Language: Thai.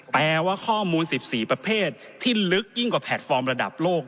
แปลว่าข้อมูล๑๔ประเภทที่ลึกยิ่งกว่าแพลตฟอร์มระดับโลก